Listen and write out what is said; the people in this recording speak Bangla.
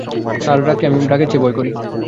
তাঁর রাগকে আমি তোমার রাগের চেয়ে ভয় করি।